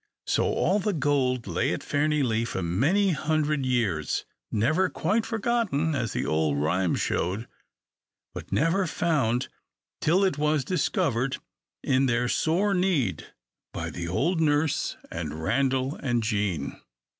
So all the gold lay at Fairnilee for many hundred years, never quite forgotten, as the old rhyme showed, but never found till it was discovered, in their sore need, by the old nurse and Randal and Jean.